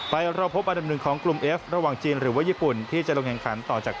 เราพบอันดับหนึ่งของกลุ่มเอฟระหว่างจีนหรือว่าญี่ปุ่นที่จะลงแข่งขันต่อจาก